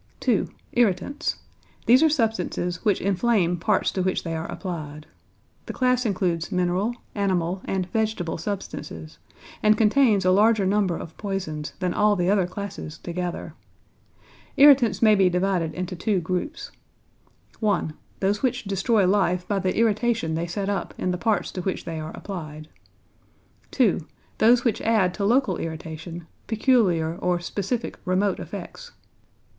=Irritants.= These are substances which inflame parts to which they are applied. The class includes mineral, animal, and vegetable substances, and contains a larger number of poisons than all the other classes together. Irritants may be divided into two groups: (1) Those which destroy life by the irritation they set up in the parts to which they are applied; (2) those which add to local irritation peculiar or specific remote effects.